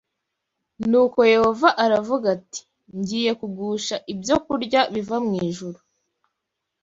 Nuko Yehova aravuga ati ngiye kugusha ibyokurya biva mu ijuru